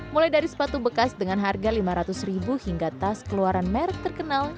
mulai dari sepatu bekas dengan harga lima ratus ribu hingga tas keluaran merek terkenal